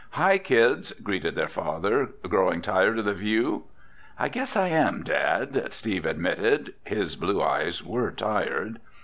"Hi, kids," greeted their father. "Growing tired of the view?" "I guess I am, Dad," Steve admitted. His blue eyes were tired.